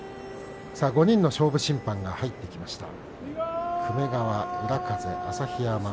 ５人の勝負審判が入ってきました。